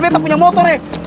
betta punya motor nih